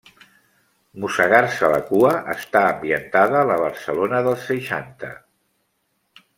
Mossegar-se la cua està ambientada a la Barcelona dels seixanta.